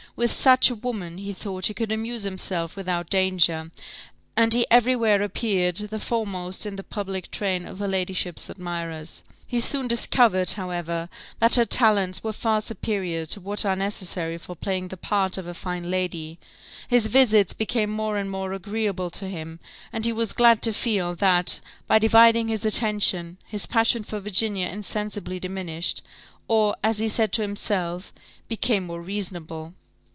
With such a woman he thought he could amuse himself without danger, and he every where appeared the foremost in the public train of her ladyship's admirers. He soon discovered, however, that her talents were far superior to what are necessary for playing the part of a fine lady; his visits became more and more agreeable to him, and he was glad to feel, that, by dividing his attention, his passion for Virginia insensibly diminished, or, as he said to himself, became more reasonable.